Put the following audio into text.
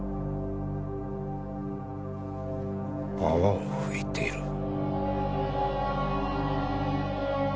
泡を吹いている。